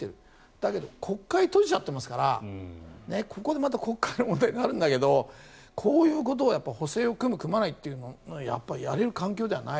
だけど国会を閉じちゃってますからここでまた国会の問題があるんだけれどこういうことをやっぱり補正を組む、組まないというのをやっぱりやれる環境ではない。